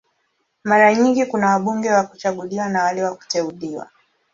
Mara nyingi kuna wabunge wa kuchaguliwa na wale wa kuteuliwa.